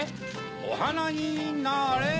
おはなになれ。